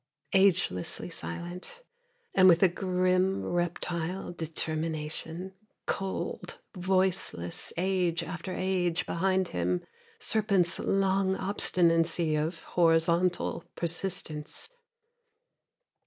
Agelessly silent, And with a grim, reptile determination, Cold, voiceless age after age behind him, serpents' long obstinacy Of horizontal persistence.